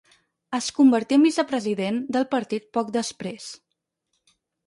Es convertí en vicepresident del partit poc després.